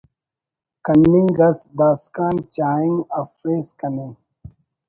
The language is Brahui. کننگ ئس داسکان چاہنگ افیس کنے